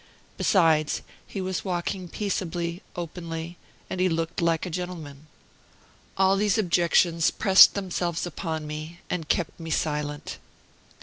Besides, he was walking peaceably, openly, and he looked like a gentleman. All these objections pressed themselves upon me, and kept me silent.